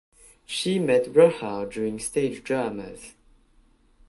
She met Rahal during stage dramas.